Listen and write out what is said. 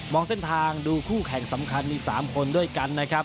องเส้นทางดูคู่แข่งสำคัญมี๓คนด้วยกันนะครับ